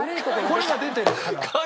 これが出てるから。